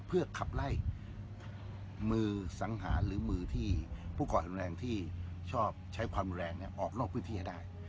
เพื่อขับไล่มือสังหารหรือมือที่ผู้ก่อเหตุรุนแรงที่ชอบใช้ความรุนแรงออกนอกพื้นที่ให้ได้